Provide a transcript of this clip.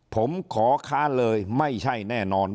ผมขอค้าเลยไม่ใช่แน่นอน